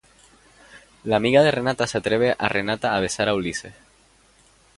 La amiga de Renata se atreve a Renata a besar a Ulises.